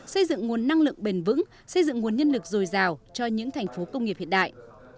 xây dựng nguồn năng lượng bền vững xây dựng nguồn nhân lực dồi dào cho những thành phố công nghiệp hiện đại